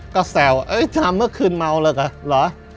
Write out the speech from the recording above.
ก็แสวว์อะยยเธอเมื่อคืนเมาเลิกเหรอ